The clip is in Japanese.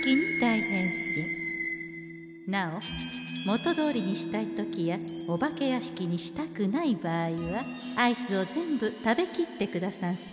なお元どおりにしたい時やお化けやしきにしたくない場合はアイスを全部食べきってくださんせ。